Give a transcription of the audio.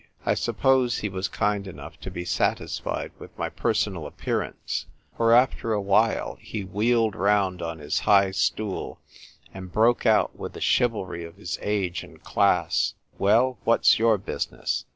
I suppose he was kind enough to be satisfied with my personal appearance, for after a while he wheeled round on his high stool, and broke out with the chivalry of his age and class, "Well, what's your business?"